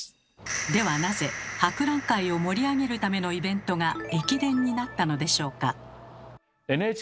ではなぜ博覧会を盛り上げるためのイベントが駅伝になったのでしょうか？